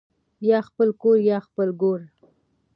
ـ يا خپل کور يا خپل ګور.